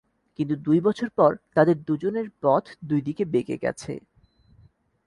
কিন্তু দুই বছর পর তাঁদের দুজনের পথ দুইদিকে বেঁকে গেছে।